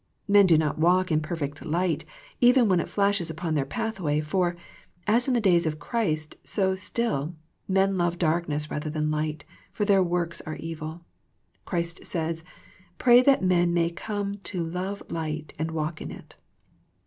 Men do not walk in perfect light even when it flashes upon their pathway, for, as in the days of Christ so still, men love darkness rather than light, for their works are evil. Christ says, " Pray that men may come to love light, and walk in it."